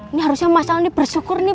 ini harusnya mas al ini bersyukur nih